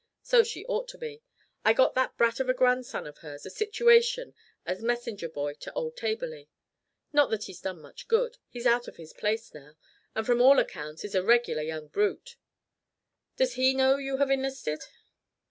So she ought to be. I got that brat of a grandson of hers a situation as messenger boy to old Taberley. Not that he's done much good. He's out of his place now, and from all accounts, is a regular young brute." "Does he know you have enlisted?"